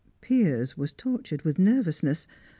Piers was tortured with nervousness.